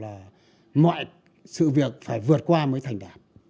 là mọi sự việc phải vượt qua mới thành đạt